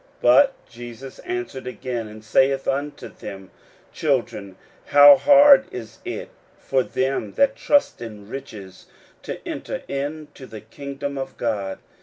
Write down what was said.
But Jesus answereth again, and saith unto them, Children, how hard is it for them that trust in riches to enter into the kingdom of God!